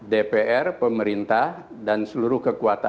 dpr pemerintah dan seluruh kekuatan